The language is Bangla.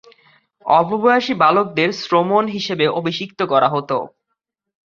অল্পবয়সী বালকদের শ্রমণ হিসেবে অভিষিক্ত করা হত।